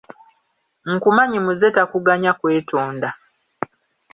Nkumanyi muze takuganya kwetonda.